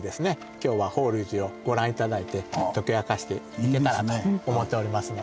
今日は法隆寺をご覧頂いて解き明かしていけたらと思っておりますので。